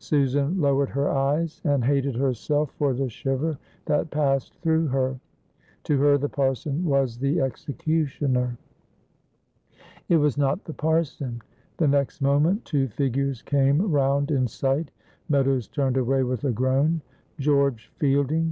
Susan lowered her eyes, and hated herself for the shiver that passed through her. To her the parson was the executioner. It was not the parson. The next moment two figures came round in sight. Meadows turned away with a groan. "George Fielding!"